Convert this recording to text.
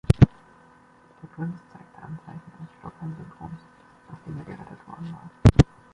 Der Prinz zeigte Anzeichen eines Stockholm-Syndroms, nachdem er gerettet worden war.